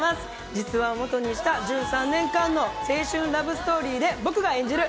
実話を基にした１３年間の青春ラブストーリーで僕が演じる